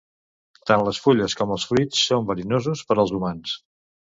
Tant les fulles com els fruits són verinosos per als humans.